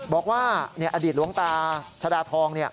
บอกว่าอดีตหลวงตาชดาทอง